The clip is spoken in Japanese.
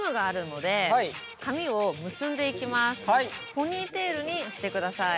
ポニーテールにしてください。